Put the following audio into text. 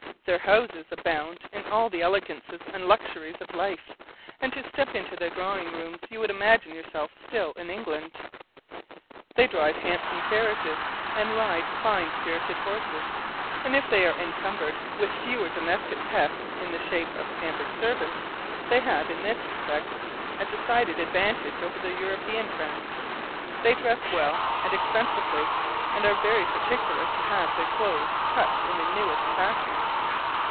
Their houses abound in all the elegancies and luxuries of life, and to step into their drawing rooms you would imagine yourself still in England. They drive handsome carriages, and ride fine spirited horses; and if they are encumbered with fewer domestic pests in the shape of pampered servants, they have, in this respect, a decided advantage over their European friends. They dress well and expensively, and are very particular to have their clothes cut in the newest fashion.